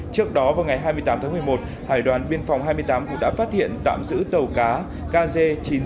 trước đó vào ngày hai mươi tám tháng một mươi một hải đoàn biên phòng hai mươi tám cũng đã phát hiện tạm giữ tàu cá kg chín nghìn ba trăm linh ba ts của tỉnh kiên giang